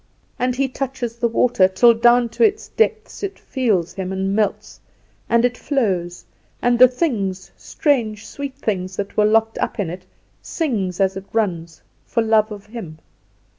And he touches the water, till down to its depths it feels him and melts, and it flows, and the things, strange sweet things that were locked up in it, it sings as it runs, for love of him.